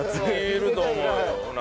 いると思うよ。